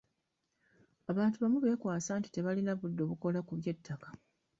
Abantu abamu beekwasa nti tebalina budde bukola ku bya ttaka.